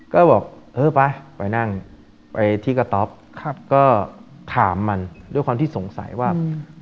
ก็บอกเออไปไปนั่งไปที่กระต๊อปก็ถามมันด้วยความที่สงสัยว่า